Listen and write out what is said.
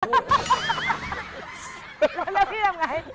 แล้วพี่ทำไง